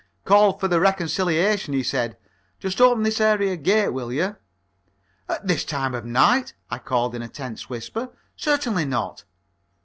"Called for the reconciliation," he said. "Just open this area gate, will you?" "At this time of night?" I called, in a tense whisper. "Certainly not."